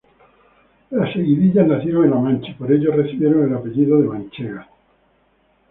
Las seguidillas nacieron en La Mancha y por ello recibieron el apellido de manchegas.